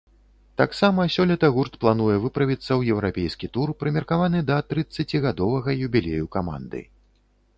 Таксама сёлета гурт плануе выправіцца ў еўрапейскі тур, прымеркаваны да трыццацігадовага юбілею каманды.